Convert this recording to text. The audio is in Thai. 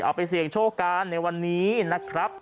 เอาไปเสี่ยงโชคกันในวันนี้นะครับ